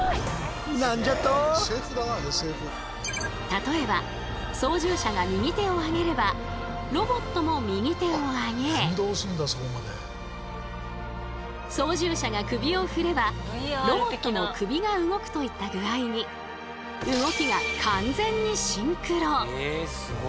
例えば操縦者が右手を上げればロボットも右手を上げ操縦者が首を振ればロボットも首が動くといった具合に動きが完全にシンクロ。